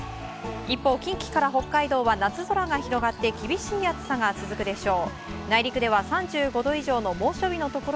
一方、近畿から北海道は夏空が広がって厳しい暑さが続くでしょう。